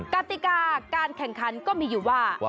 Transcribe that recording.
กติกาการแข่งขันก็มีอยู่ว่า